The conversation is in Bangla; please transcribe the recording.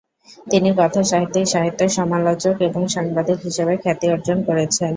তিনি কথাসাহিত্যিক, সাহিত্য সমালোচক এবং সাংবাদিক হিসাবে খ্যাতি অর্জন করেছেন।